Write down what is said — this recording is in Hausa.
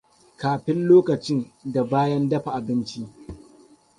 Kafin, lokacin, da bayan dafa abinci.